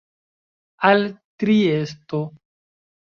Al Triesto.